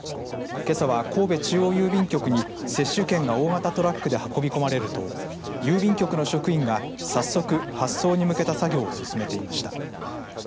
けさは神戸中央郵便局に接種券が大型トラックで運び込まれると郵便局の職員が、早速発送に向けた作業を進めていました。